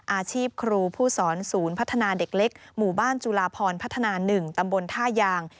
อาชีพครูผู้สอนศูนย์พัฒนาเด็กเล็กหมู่บ้านจุลาพรพัฒนา๑ตำบลท่ายาง